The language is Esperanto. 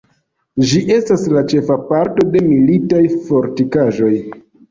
Ĝi estas la ĉefa parto de militaj fortikaĵoj.